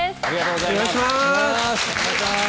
よろしくお願いします。